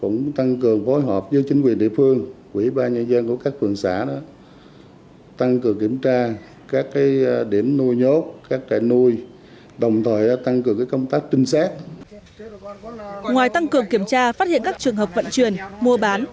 ngoài tăng cường kiểm tra phát hiện các trường hợp vận chuyển mua bán